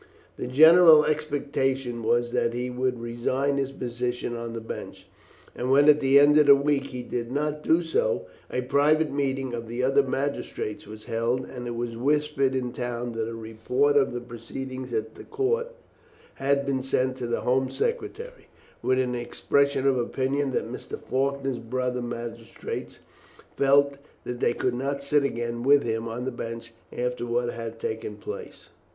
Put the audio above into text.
The general expectation was that he would resign his position on the bench; and when at the end of a week he did not do so, a private meeting of the other magistrates was held, and it was whispered in the town that a report of the proceedings at the court had been sent to the Home Secretary, with an expression of opinion that Mr. Faulkner's brother magistrates felt that they could not sit again with him on the bench after what had taken place.